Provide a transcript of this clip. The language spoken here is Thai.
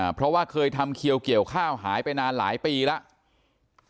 เพราะว่าเคยทำเขียวเกี่ยวข้าวหายไปนานหลายปีแล้ว